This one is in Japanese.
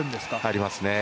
ありますね。